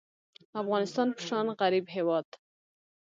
د افغانستان په شان غریب هیواد